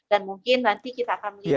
dan mungkin nanti kita akan melihat